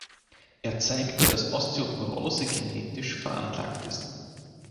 Er zeigte, dass Osteoporose genetisch veranlagt ist.